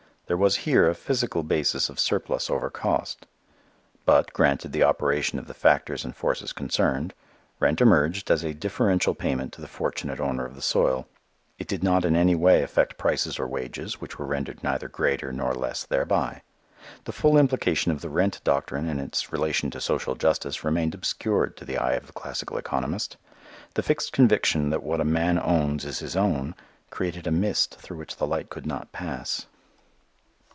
There was here a physical basis of surplus over cost. But, granted the operation of the factors and forces concerned, rent emerged as a differential payment to the fortunate owner of the soil. It did not in any way affect prices or wages, which were rendered neither greater nor less thereby. The full implication of the rent doctrine and its relation to social justice remained obscured to the eye of the classical economist; the fixed conviction that what a man owns is his own created a mist through which the light could not pass.